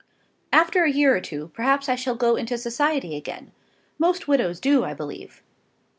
After a year or two, perhaps I shall go into society again. Most widows do, I believe."